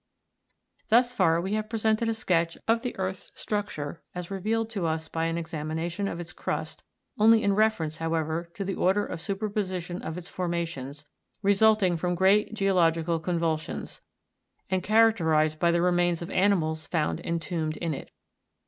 Thus far we have presented a sketch of the earth's structure as revealed to us by an examination of its crust, only in reference, however, to the order of superposition of its formations, resulting from great geological convulsions, and characterized by the remains of animals found entombed in it.